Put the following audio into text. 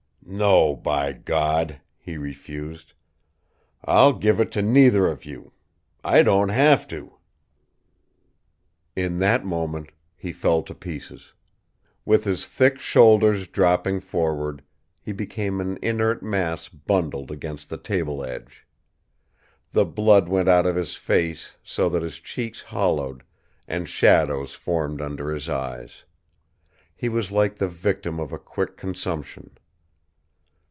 "No, by God!" he refused. "I'll give it to neither of you. I don't have to!" In that moment, he fell to pieces. With his thick shoulders dropping forward, he became an inert mass bundled against the table edge. The blood went out of his face, so that his cheeks hollowed, and shadows formed under his eyes. He was like the victim of a quick consumption.